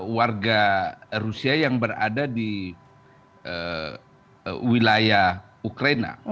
warga rusia yang berada di wilayah ukraina